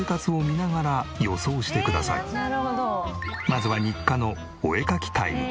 まずは日課のお絵描きタイム。